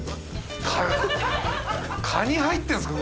カニ入ってんすか？